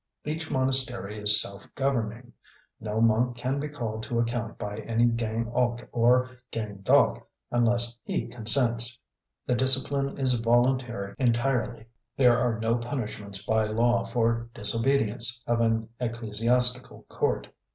Each monastery is self governing; no monk can be called to account by any Gaing ok or Gaing dauk unless he consents. The discipline is voluntary entirely. There are no punishments by law for disobedience of an ecclesiastical court.